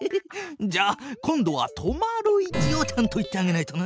じゃあ今度は止まる位置をちゃんと言ってあげないとな。